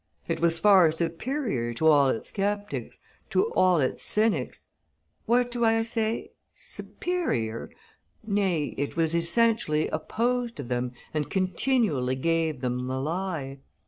It was far superior to all its sceptics, to all its cynics. What do I say? Superior? Nay, it was essentially opposed to them and continually gave them the lie.